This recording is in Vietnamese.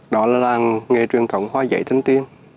đó là làng nghề truyền thống hoa giấy thanh tiên